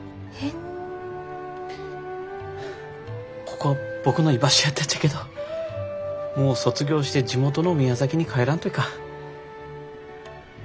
ここは僕の居場所やったっちゃけどもう卒業して地元の宮崎に帰らんといかん。